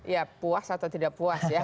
ya puas atau tidak puas ya